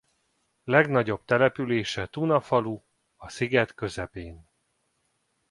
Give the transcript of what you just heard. Legnagyobb települése Tuna falu a sziget közepén.